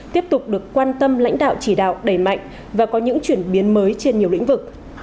tiếp tục được quan tâm lãnh đạo chỉ đạo đẩy mạnh và có những chuyển biến mới trên nhiều lĩnh vực